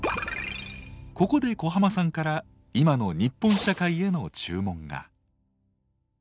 ここで小浜さんから今の日本社会への注文が。